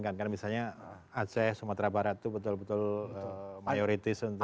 karena misalnya aceh sumatera barat itu betul betul mayoritis untuk